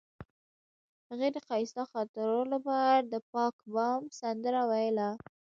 هغې د ښایسته خاطرو لپاره د پاک بام سندره ویله.